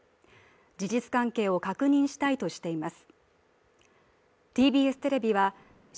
事実関係を確認したいとしています。